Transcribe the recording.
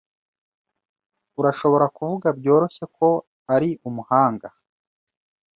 Urashobora kuvuga byoroshye ko ari umuhanga.